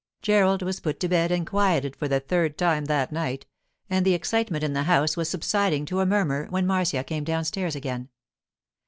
Gerald was put to bed and quieted for the third time that night, and the excitement in the house was subsiding to a murmur when Marcia came downstairs again.